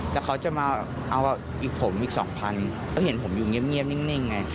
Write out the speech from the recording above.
แล้วเขาจะมาเอาอีกผมอีกสองพันก็เห็นผมอยู่เงียบนิ่งไง